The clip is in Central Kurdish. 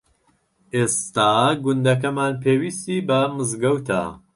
ئێستا گوندەکەمان پێویستی بە مزگەوتە.